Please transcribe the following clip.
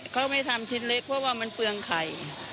เขาไม่ทำชิ้นเล็กเพราะว่ามันเปลืองไข่